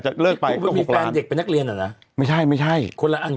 ใช่วันนี้มันมากเลยอะ